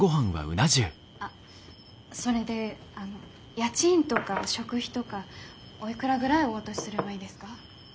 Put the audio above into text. あっそれで家賃とか食費とかおいくらぐらいお渡しすればいいですか？